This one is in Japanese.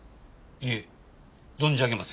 いえ存じ上げません。